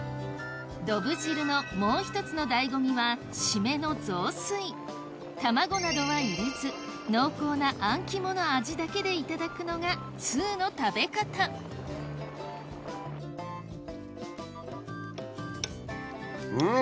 どぶ汁のもう１つの醍醐味はシメの卵などは入れず濃厚なあん肝の味だけでいただくのが通の食べ方うん！